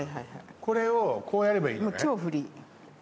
これをこうやればいいのね。